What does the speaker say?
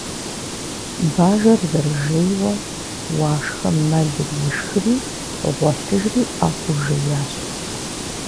Бажэр зэрыжейуэ, Уашхэм мэлыр ишхри гъуэлъыжри ӀэфӀу жеящ.